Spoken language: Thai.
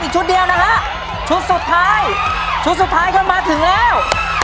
ชุดเดียวนะฮะชุดสุดท้ายชุดสุดท้ายก็มาถึงแล้ว